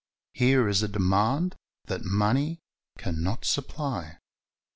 Here is a demand that money can not supply.